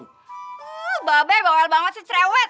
oh mbak be bawel banget sih cerewet